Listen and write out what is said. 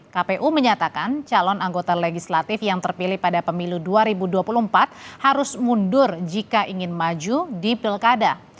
kpu menyatakan calon anggota legislatif yang terpilih pada pemilu dua ribu dua puluh empat harus mundur jika ingin maju di pilkada